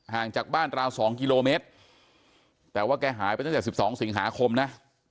จากบ้านราว๒กิโลเมตรแต่ว่าแกหายไปตั้งแต่๑๒สิงหาคมนะ